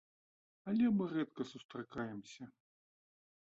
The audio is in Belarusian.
Але мы рэдка сустракаемся.